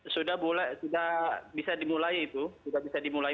sudah bisa dimulai itu sudah bisa dimulai